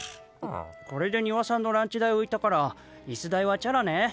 これで丹羽さんのランチ代浮いたからイス代はチャラね？